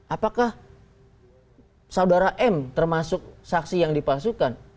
apakah saudara m termasuk saksi yang dipalsukan